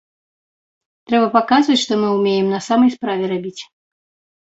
Трэба паказваць, што мы ўмеем на самой справе рабіць.